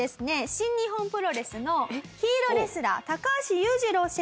新日本プロレスのヒールレスラー高橋裕二郎選手